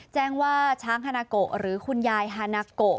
แจ้งว่าช้างฮานาโกหรือคุณยายฮานาโก